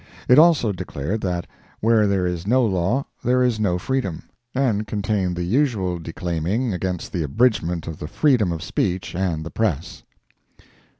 It also declared that where there is no law there is no freedom, and contained the usual declaiming against the abridgment of the freedom of speech and the press.)